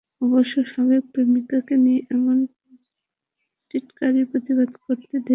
অবশ্য সাবেক প্রেমিকাকে নিয়ে এমন টিটকারির প্রতিবাদ করতেও দেরি করেননি কোহলি।